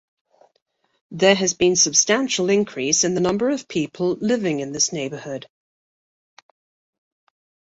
There has been substantial increase in the number of people living in this neighborhood.